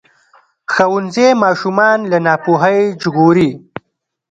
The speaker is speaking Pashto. ښوونځی ماشومان له ناپوهۍ ژغوري.